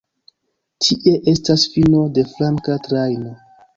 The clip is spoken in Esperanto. Tie estas fino de flanka trajno.